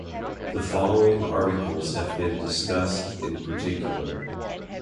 The following articles have been discussed in particular.